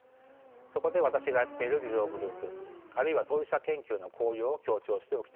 そこで私がやっている自助グループあるいは当事者研究の効用を強調しておきたいです。